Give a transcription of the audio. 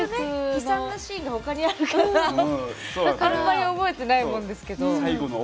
悲惨なシーンが他にあるからあまり覚えてないものですけど。